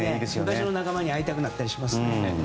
昔の仲間に会いたくなったりしますね。